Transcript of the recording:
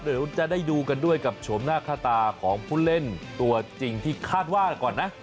เดี๋ยวจะได้ดูกันด้วยกับโฉมหน้าค่าตาของผู้เล่นตัวจริงที่คาดว่าก่อนนะ